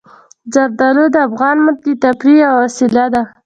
زردالو د افغانانو د تفریح یوه وسیله ده.